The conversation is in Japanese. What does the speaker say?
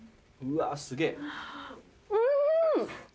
うわすげぇ。